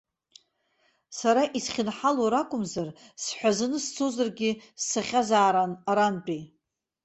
Сара исхьынҳалоу ракәымзар, сҳәазаны сцозаргьы сцахьазаарын арантәи.